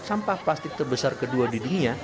sampah plastik terbesar kedua di dunia